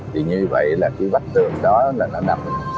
thì như vậy là cái bắp trường đó nó nằm